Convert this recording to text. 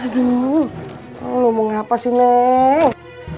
aduh lu mau ngapas sih neng